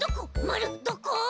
まるどこ！？